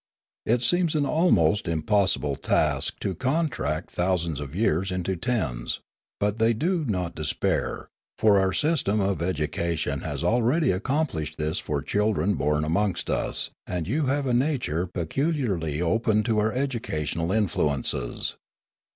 It seems an almost impossible task to contract thousands of years into tens; but they do not despair; for our system of education has already accomplished this for children born amongst us, and you have a nature peculiarly open to our educational influences.